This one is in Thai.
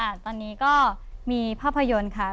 ตอนนี้ก็มีภาพยนตร์ค่ะ